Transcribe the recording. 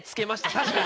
確かに。